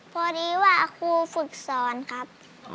พอดีว่าครูฝึกสอนครับ